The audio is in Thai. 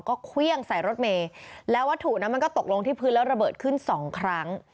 ก็เครื่องใส่รถเมย์แล้ววัตถุนั้นมันก็ตกลงที่พื้นแล้วระเบิดขึ้นสองครั้ง